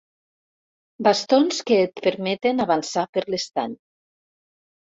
Bastons que et permeten avançar per l'estany.